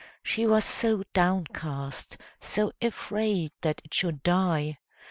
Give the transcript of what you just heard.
She was so downcast, so afraid that it should die!